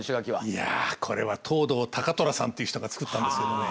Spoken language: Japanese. いやこれは藤堂高虎さんっていう人が造ったんですけどね